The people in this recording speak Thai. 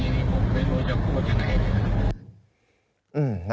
ผมไม่รู้จะพูดอย่างไร